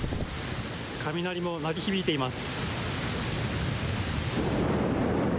雷も鳴り響いています。